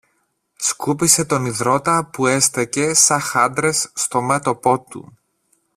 σκούπισε τον ιδρώτα που έστεκε σα χάντρες στο μέτωπο του.